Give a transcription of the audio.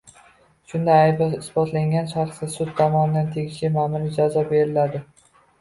Shunda aybi isbotlangan shaxsga sud tomonidan tegishli ma’muriy jazo beriladi.